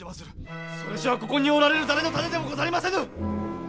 それがしはここにおられる誰の種でもござりませぬ！